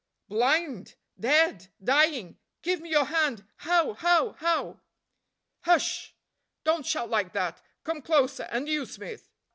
"Blind, dead, dying! give me your hand. How? how? how?" "Hush! don't shout like that; come closer, and you, Smith."